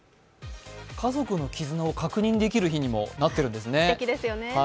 家族の絆を確認できる日にもなっているんですね。